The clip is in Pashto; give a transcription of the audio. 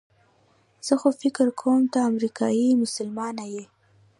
زه خو فکر کوم ته امریکایي مسلمانه یې.